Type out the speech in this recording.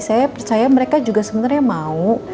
saya percaya mereka juga sebenarnya mau